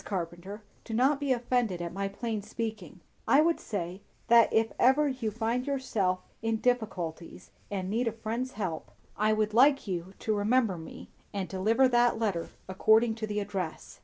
Carpenter, do not be offended at my plain speaking; I would say, that if ever you find yourself in difficulties and need a friend's help, I would like you to remember me, and deliver that letter according to the address."